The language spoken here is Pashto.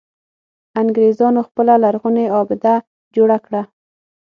انګرېزانو خپله لرغونې آبده جوړه کړه.